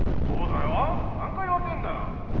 そうだよ何回言わせんだよ。